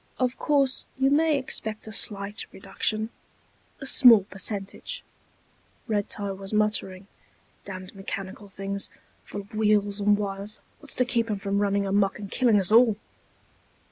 "Of course, you may expect a slight reduction ... a small percentage...." Red tie was muttering. "Damned mechanical things, full of wheels and wires. What's to keep 'em from running amok and killing us all!"